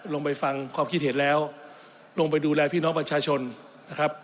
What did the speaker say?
ลงไปฟังความคิดเห็นแล้วลงไปดูแลพี่น้องประชาชนนะครับ